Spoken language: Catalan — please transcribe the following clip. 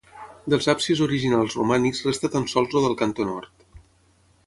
Dels absis originals romànics resta tan sols el del cantó nord.